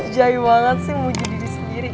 jai banget sih memuji diri sendiri